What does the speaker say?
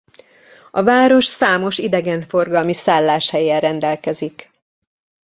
A város számos idegenforgalmi szálláshellyel rendelkezik.